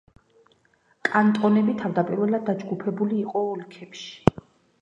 კანტონები დავდაპირველად, დაჯგუფებული იყო ოლქებში.